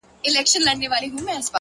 فکر د ژوند مسیر ټاکي!.